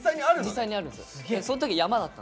実際にあるんですよ。